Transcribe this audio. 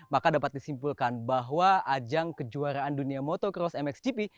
maka dapat disimpulkan bahwa ajang kejuaraan dunia motocross mxgp